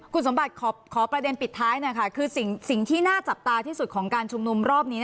คุณสมบัติขอประเด็นปิดท้ายหน่อยค่ะคือสิ่งที่น่าจับตาที่สุดของการชุมนุมรอบนี้